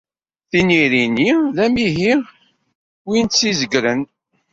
Tiniri-nni d amihi win tt-izegren.